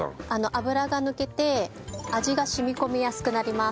油が抜けて味が染み込みやすくなります。